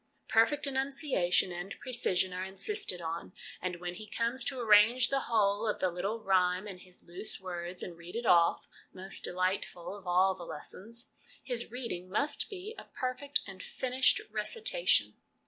Perfect enunciation and precision are insisted on, and when he comes to arrange the whole of the little rhyme in his loose words and read it off(most delightful of all the lessons) his reading must be a perfect and finished recitation.